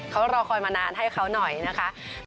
เขารอคอยมานานให้เขาหน่อยนะคะ